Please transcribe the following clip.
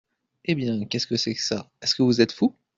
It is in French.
Eh bien, qu’est-ce que c’est que ça ? est-ce que vous êtes fou ?